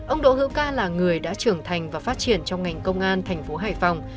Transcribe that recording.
ông đỗ hữu ca là người đã trưởng thành và phát triển trong ngành công an thành phố hải phòng